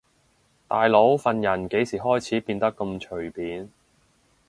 大佬份人幾時開始變得咁隨便